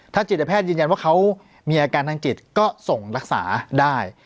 จิตแพทย์ยืนยันว่าเขามีอาการทางจิตก็ส่งรักษาได้